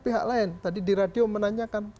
pihak lain tadi di radio menanyakan